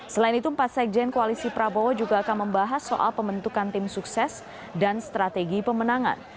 selain itu empat sekjen koalisi prabowo juga akan membahas soal pembentukan tim sukses dan strategi pemenangan